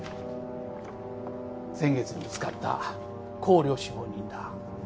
先月見つかった行旅死亡人だ。